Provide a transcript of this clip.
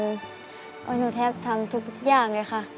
เพราะหนูแทบทำทุกอย่างเลยค่ะ